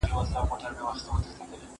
داسي باد، چي ريګ ئې پر حرکت راوستی.